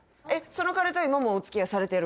その彼とは今もおつきあいされてる？